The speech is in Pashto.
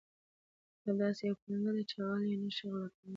کتاب داسې یوه پانګه ده چې غل یې نشي غلا کولی.